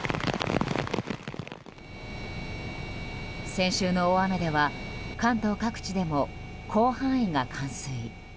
先週の大雨では関東各地でも広範囲が冠水。